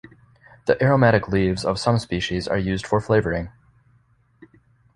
The aromatic leaves of some species are used for flavouring.